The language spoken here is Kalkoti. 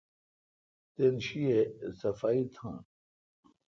تین شی اؘ صفائی تھان۔